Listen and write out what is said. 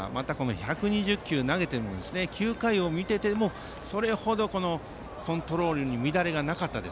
また１２０球投げても９回を見ていてもそれほどコントロールに乱れがなかったこと。